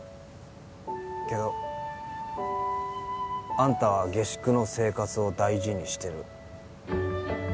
けどあんたは下宿の生活を大事にしてる。